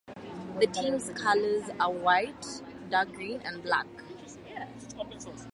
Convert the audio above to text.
The team's colors are white, dark green and black.